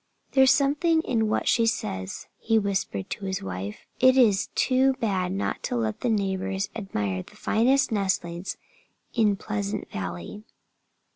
"There's something in what she says," he whispered to his wife. "It is too bad not to let the neighbors admire the finest nestlings in Pleasant Valley."